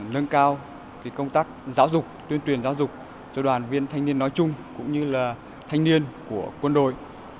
nâng cao công tác giáo dục tuyên truyền giáo dục cho đoàn viên thanh niên nói chung cũng như là thanh niên của quân đội